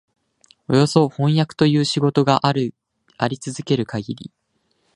およそ飜訳という仕事があり続けるかぎり、